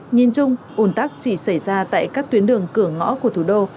nhìn chung ủn tắc chỉ xảy ra tại các tuyến đường cửa ngõ của thủ đô